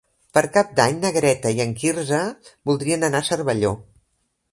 Per Cap d'Any na Greta i en Quirze voldrien anar a Cervelló.